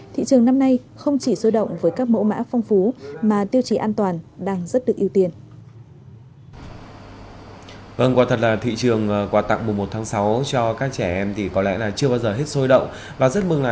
thị trường năm nay không chỉ sôi động với các mẫu mã phong phú